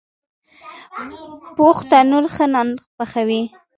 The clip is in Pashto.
پوخ تنور ښه نان پخوي